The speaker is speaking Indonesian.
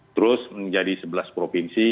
terus menjadi sebelas provinsi